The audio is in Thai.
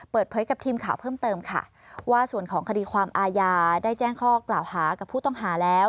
เปิดเผยกับทีมข่าวเพิ่มเติมค่ะว่าส่วนของคดีความอาญาได้แจ้งข้อกล่าวหากับผู้ต้องหาแล้ว